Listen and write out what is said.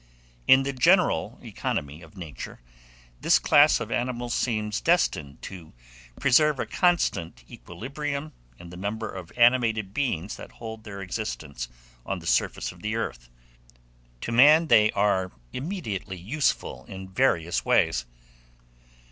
IN THE GENERAL ECONOMY OF NATURE, this class of animals seems destined to preserve a constant equilibrium in the number of animated beings that hold their existence on the surface of the earth. To man they are immediately useful in various ways.